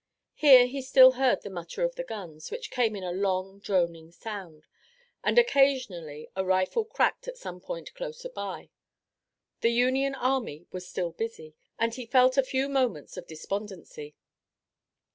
Here he still heard the mutter of the guns, which came in a long, droning sound, and occasionally a rifle cracked at some point closer by. The Union army was still busy and he felt a few moments of despondency.